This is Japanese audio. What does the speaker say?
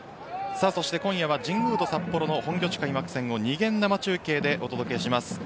そして今夜は神宮と札幌の本拠地開幕戦を二元生中継でお届けします。